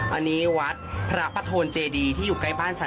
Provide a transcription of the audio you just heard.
อันนี้วัดพระประโทนเจดีที่อยู่ใกล้บ้านฉัน